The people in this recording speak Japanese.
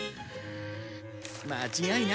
まちがいない！